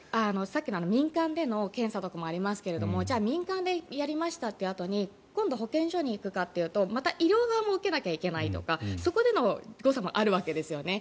さっきの民間での検査とかもありますが民間でやりましたってあとに今度、保健所に行くかというとまた医療側も受けなきゃいけないとかそこでの誤差もあるわけですね。